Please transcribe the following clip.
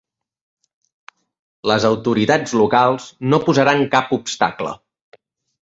Les autoritats locals no posaren cap obstacle.